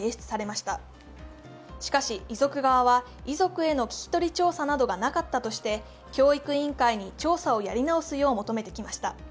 しかし遺族側は遺族への聞き取り調査などがなかったとして教育委員会に調査をやり直すよう求めてきました。